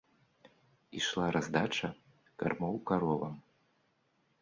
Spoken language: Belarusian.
Ішла раздача кармоў каровам.